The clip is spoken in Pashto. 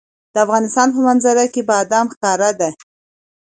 د افغانستان په منظره کې بادام ښکاره ده.